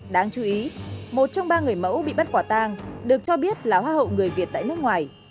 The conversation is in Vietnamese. đáng chú ý một trong ba người mẫu bị bắt quả tang được cho biết là hoa hậu người việt tại nước ngoài